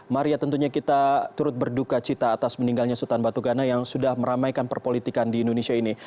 maria tentunya kita turut berduka cita atas meninggalnya sultan batu gana yang sudah meramaikan perpolitikan di indonesia ini